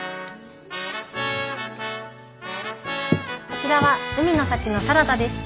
こちらは海の幸のサラダです。